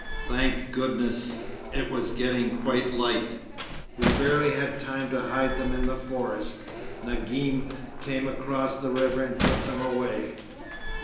Thank goodness! It was getting quite light. We barely had time to hide them in the forest. Nagim came across the river and took them away.'